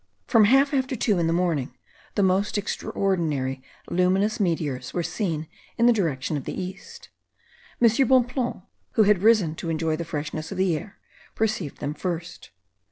From half after two in the morning, the most extraordinary luminous meteors were seen in the direction of the east. M. Bonpland, who had risen to enjoy the freshness of the air, perceived them first.